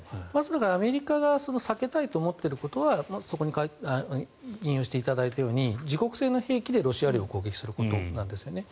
アメリカが避けたいと思っていることはそこに引用していただいたように自国製の兵器でロシア領を攻撃することなんですね。